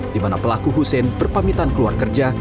di mana pelaku hussein berpamitan keluar kerja